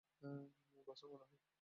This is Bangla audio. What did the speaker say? বাস্তব মনে হবে।